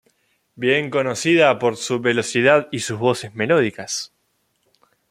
Bien conocida por su velocidad y sus voces melódicas.